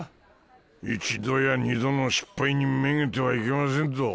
一度や二度の失敗にめげてはいけませんぞ。